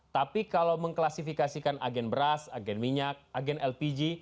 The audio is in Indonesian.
tapi kalau mengklasifikasikan agen beras agen minyak agen lpg